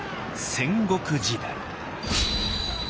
戦国時代。